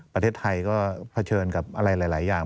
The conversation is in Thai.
ประเทศไทยก็เผชิญกับอะไรหลายอย่าง